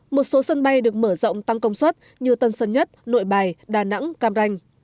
một số sân bay được mở rộng tăng công suất như tân sơn nhất nội bài đà nẵng cam ranh